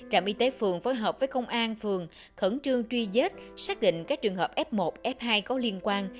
trạm y tế phường phối hợp với công an phường khẩn trương truy vết xác định các trường hợp f một f hai có liên quan